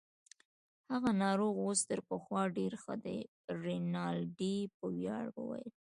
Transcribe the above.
هغه ناروغ اوس تر پخوا ډیر ښه دی. رینالډي په ویاړ وویل.